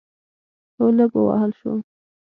هو، لږ ووهل شوم